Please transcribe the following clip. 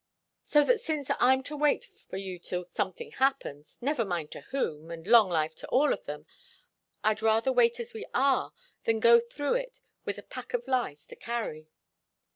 "So that since I'm to wait for you till 'something happens' never mind to whom, and long life to all of them! I'd rather wait as we are than go through it with a pack of lies to carry."